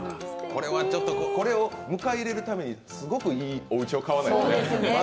これを迎え入れるために、すごくいいおうちを買わないと。